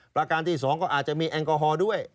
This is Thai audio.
ประการที่๒ก็อาจจะมีแอลกอฮอล์ด้วย